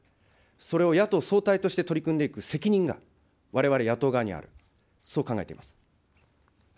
それを野党総体として取り組んでいく責任が、われわれ野党側にはある、そう考えています。